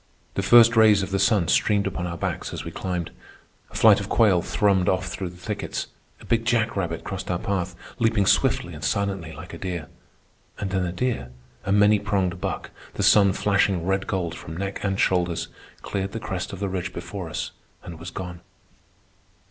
The first rays of the sun streamed upon our backs as we climbed. A flight of quail thrummed off through the thickets. A big jackrabbit crossed our path, leaping swiftly and silently like a deer. And then a deer, a many pronged buck, the sun flashing red gold from neck and shoulders, cleared the crest of the ridge before us and was gone.